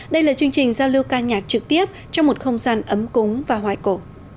đây là chương trình giao lưu ca nhạc trực tiếp trong một không gian ấm cúng và hoài cổ